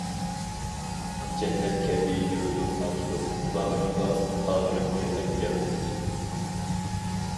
جەننەت كەبى يۇرتۇم ئاقسۇ، باغرىڭغا باغرىم يېقىپ كەلدىم.